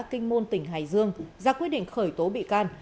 kinh môn tỉnh hải dương ra quyết định khởi tố bị can